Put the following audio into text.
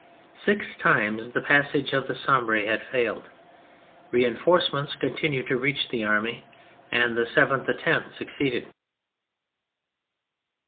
Six times the passage of the Sambre had failed. Reinforcements continued to reach the army, and the seventh attempt succeeded.